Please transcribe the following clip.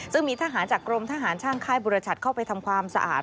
ซึ่งมีทหารจากกรมทหารช่างค่ายบุรชัดเข้าไปทำความสะอาด